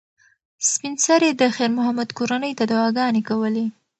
سپین سرې د خیر محمد کورنۍ ته دعاګانې کولې.